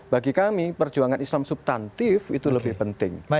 bagi kami perjuangan islam subtantif itu lebih penting